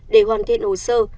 để hoàn thiện hồ sơ